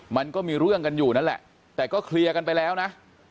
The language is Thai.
มันก็มีเรื่องกันอยู่นั่นแหละแต่ก็เคลียร์กันไปแล้วนะ